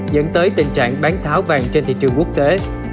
dẫn tới tình trạng bán tháo vàng trên thị trường quốc tế